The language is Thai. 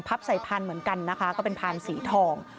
ใส่พานเหมือนกันนะคะก็เป็นพานสีทอง